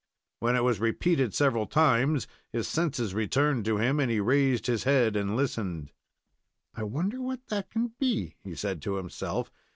When it was repeated several times, his senses returned to him, and he raised his head and listened. "I wonder what that can be?" he said to himself.